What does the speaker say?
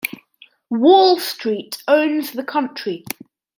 Wall Street owns the country.